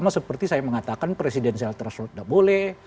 seperti saya mengatakan presidensial trust sudah boleh